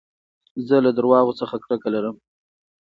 زه له درواغو څخه کرکه لرم.